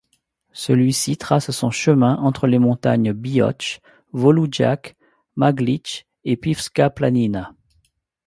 Celui-ci trace son chemin entre les montagnes Bioč, Volujak, Maglić et Pivska planina.